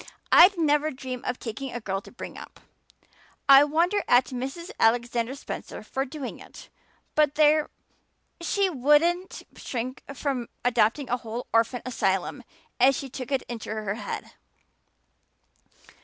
"I'd never dream of taking a girl to bring up. I wonder at Mrs. Alexander Spencer for doing it. But there, she wouldn't shrink from adopting a whole orphan asylum if she took it into her head."